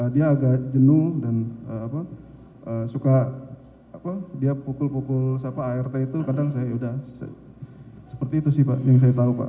dia agak jenuh dan suka dia pukul pukul art itu kadang saya udah seperti itu sih pak yang saya tahu pak